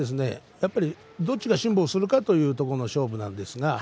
どちらが辛抱するかというところの勝負なんですね。